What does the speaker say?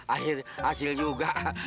akhir hasil juga